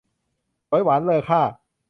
สวยหวาน เลอค่า